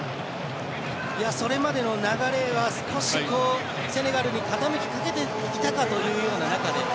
それまでの流れは少しセネガルに傾きかけていたかという中で。